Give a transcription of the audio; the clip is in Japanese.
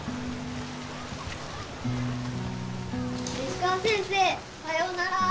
石川先生さようなら。